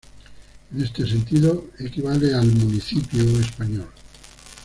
En este sentido equivale al 'municipio' español.